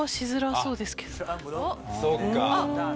そうか。